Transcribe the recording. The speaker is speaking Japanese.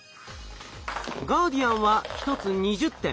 ガーディアンは１つ２０点。